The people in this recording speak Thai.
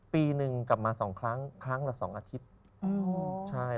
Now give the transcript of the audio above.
ปีหนึ่งกลับมาสองครั้งครั้งละ๒อาทิตย์